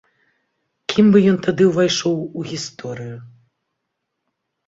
Кім бы ён тады ўвайшоў у гісторыю?